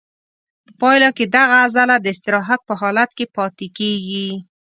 په پایله کې دغه عضله د استراحت په حالت کې پاتې کېږي.